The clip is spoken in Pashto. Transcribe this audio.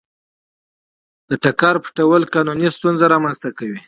د ټکر پټول قانوني ستونزه رامنځته کوي.